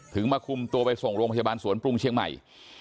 มาคุมตัวไปส่งโรงพยาบาลสวนปรุงเชียงใหม่